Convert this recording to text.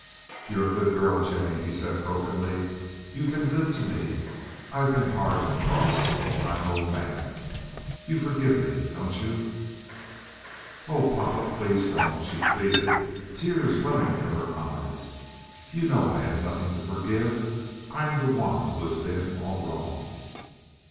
"You're a good girl, Jennie," he said brokenly. "You've been good to me. I've been hard and cross, but I'm an old man. You forgive me, don't you?" "Oh, papa, please don't," she pleaded, tears welling from her eyes. "You know I have nothing to forgive. I'm the one who has been all wrong."